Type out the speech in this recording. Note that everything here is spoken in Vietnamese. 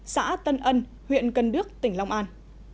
xã tân ân huyện cân đức tỉnh long an